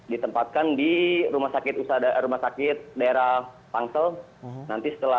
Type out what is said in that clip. ditempatkan di rumah sakit daerah pangsel